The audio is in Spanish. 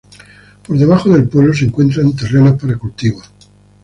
Por debajo del pueblo se encuentran terrenos para cultivos.